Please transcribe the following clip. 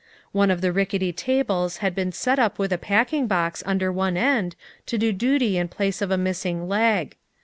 One of the rickety tables had been set up with a packing box under one end to do duty in place of a miss ing leg.